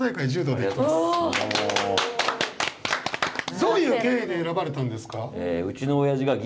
どういう経緯で選ばれたんですか？